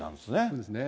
そうですね。